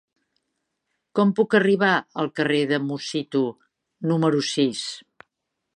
Com puc arribar al carrer de Musitu número sis?